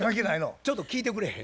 ちょっと聞いてくれへん？